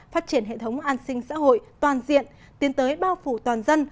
phát triển hệ thống an sinh xã hội toàn diện tiến tới bao phủ toàn dân